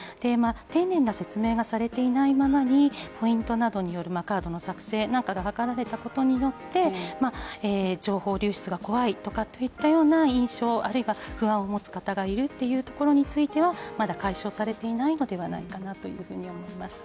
丁寧な説明がされていないままにポイントなどによるカードの作成が図られたことによって情報流出が怖いといったような印象、あるいは不安を持つ方がいるというところについてはまだ解消されていないのではないかなと思います。